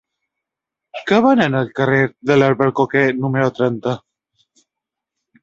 Què venen al carrer de l'Albercoquer número trenta?